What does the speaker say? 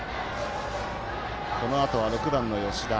このあとは、６番の吉田。